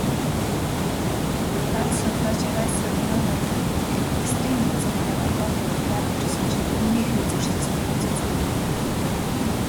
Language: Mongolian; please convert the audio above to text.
Лал судлаач Райс Сулеймановыг экстремизмтэй холбоотой гээд ял өгчихсөн чинь хүний эрхийг зөрчсөнд тооцогдсон.